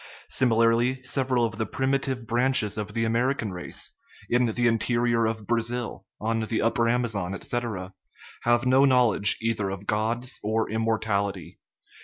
Sim ilarly, several of the primitive branches of the Ameri can race, in the interior of Brazil, on the upper Amazon, etc., have no knowledge either of gods or immortality.